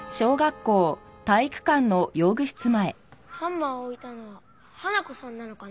ハンマーを置いたのはハナコさんなのかな？